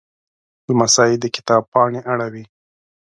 لمسی د کتاب پاڼې اړوي.